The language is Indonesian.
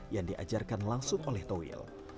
yang diajarkan langsung oleh towil